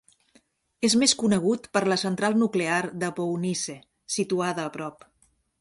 És més conegut per la central nuclear de Bohunice, situada a prop.